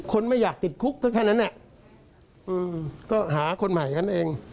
ไม่อยากติดคุกก็แค่นั้นก็หาคนใหม่กันเอง